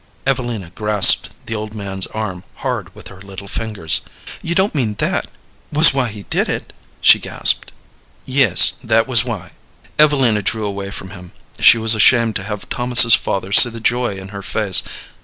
Evelina grasped the old man's arm hard with her little fingers. "You don't mean that was why he did it!" she gasped. "Yes, that was why." Evelina drew away from him. She was ashamed to have Thomas's father see the joy in her face.